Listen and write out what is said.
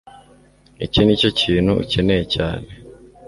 iki nicyo kintu ukeneye cyane